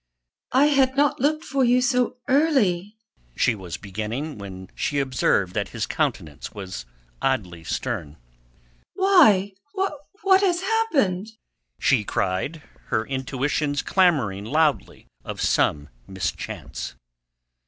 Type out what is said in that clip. "I had not looked for you so early...." she was beginning, when she observed that his countenance was oddly stern. "Why... what has happened?" she cried, her intuitions clamouring loudly of some mischance.